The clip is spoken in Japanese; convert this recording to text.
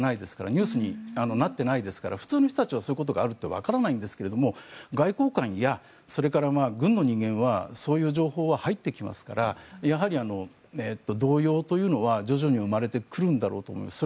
ニュースになっていないですから普通の人たちはそういうことがあるってわからないんですけど外交官やそれから軍の人間はそういう情報は入ってきますからやはり動揺というのは徐々に生まれてくるんだろうと思います。